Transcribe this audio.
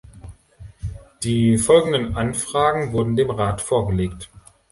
Die folgenden Anfragen wurden dem Rat vorgelegt.